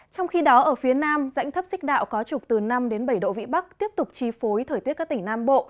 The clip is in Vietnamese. trong khi đó ở phía nam dãnh thấp xích đạo có trục từ năm đến bảy độ vĩ bắc tiếp tục chi phối thời tiết các tỉnh nam bộ